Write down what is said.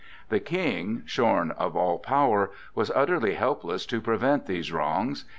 The King, shorn of all power, was utterly helpless to prevent these wrongs.